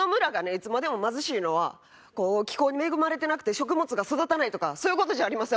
いつまでも貧しいのは気候に恵まれてなくて食物が育たないとかそういう事じゃありません。